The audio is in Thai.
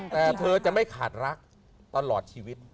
แต่เธอจะไม่ขาดรักตลอดชีวิต